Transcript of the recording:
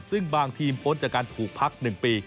ซึ่งบางทีมพ้นจากการถูกพัก๑ปี